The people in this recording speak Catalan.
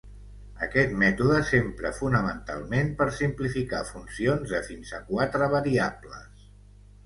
Aquest mètode s'empra fonamentalment per simplificar funcions de fins a quatre variables.